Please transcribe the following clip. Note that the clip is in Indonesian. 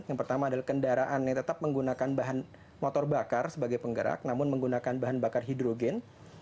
yang pertama adalah kendaraan yang tetap menggunakan bahan motor bakar sebagai penggerak namun menggunakan bahan bakar hidrogen